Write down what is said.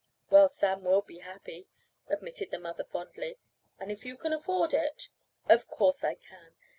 "Well, Sam will be happy," admitted the mother fondly, "and if you can afford it " "Of course I can.